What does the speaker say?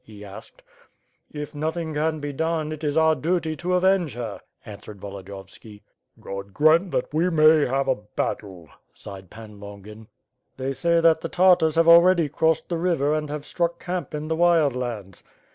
he asked. "If nothing can be done, it is our duty to avenge her," an swered Volodiyovski. "God grant that we may have a battle," sighed Pan Longin. "They say that the Tartars have already crossed the river and have struck camp in the Wild Lands."